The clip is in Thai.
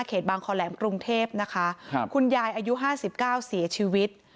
บางคอแหลมกรุงเทพนะคะครับคุณยายอายุห้าสิบเก้าเสียชีวิต